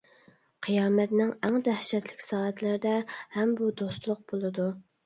قىيامەتنىڭ ئەڭ دەھشەتلىك سائەتلىرىدە ھەم بۇ دوستلۇق بولىدۇ.